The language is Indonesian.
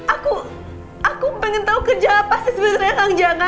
aku aku pengen tau kerja apa sih sebenernya kang jaka